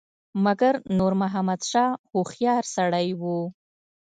مګر نور محمد شاه هوښیار سړی وو.